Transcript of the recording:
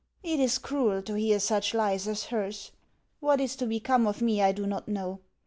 It is cruel to hear such lies as hers. What is to become of me I do not know.